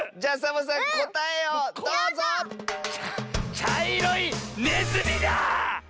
ちゃいろいねずみだ！